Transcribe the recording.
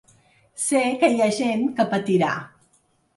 Sé que hi ha gent que patirà.